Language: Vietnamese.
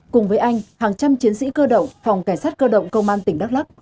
cùng với anh hàng trăm chiến sĩ cơ động phòng cảnh sát cơ động công an tỉnh đắk lắc